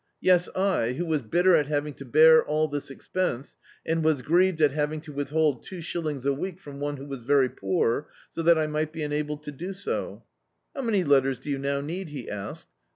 Yes, I, who was bitter at having to bear all this expense, and was grieved at having to withhold two shillings a week from one who was very poor, so that I mi^t be enabled to do so. "How many letters do you now need?" he asked.